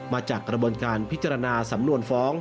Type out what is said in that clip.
มาจากกระบวนการพิจารณาสำนวนฟ้อง